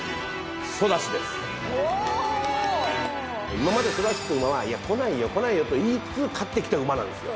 今までソダシっていう馬は来ないよ来ないよと言いつつ勝ってきた馬なんですよ。